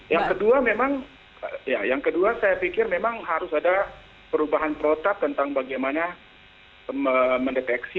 yang kedua memang ya yang kedua saya pikir memang harus ada perubahan protap tentang bagaimana mendeteksi